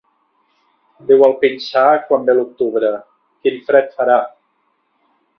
Diu el pinsà, quan ve l'octubre: quin fred farà!